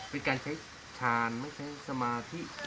เป็นการใช้ชาญไม่ใช้สมาธิ